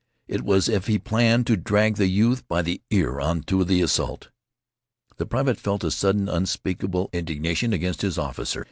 It was as if he planned to drag the youth by the ear on to the assault. The private felt a sudden unspeakable indignation against his officer.